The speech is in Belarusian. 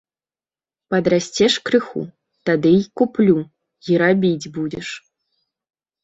Падрасцеш крыху, тады й куплю, й рабіць будзеш.